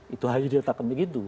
itu hal yang ditakam begitu